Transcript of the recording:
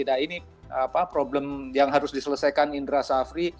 nah ini problem yang harus diselesaikan indra safri